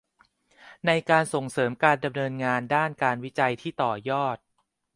ในการส่งเสริมการดำเนินงานด้านการวิจัยที่ต่อยอด